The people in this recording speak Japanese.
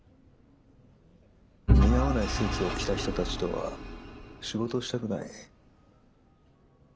似合わないスーツを着た人たちとは仕事をしたくない。